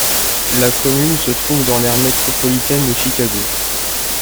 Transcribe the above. La commune se trouve dans l'aire métropolitaine de Chicago.